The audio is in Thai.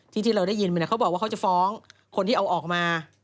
ที่เราได้ยินเขาบอกว่าเขาจะฟ้องคนที่เอาออกมา